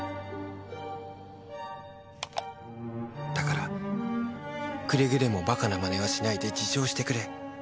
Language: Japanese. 「だからくれぐれも馬鹿な真似はしないで自重してくれ。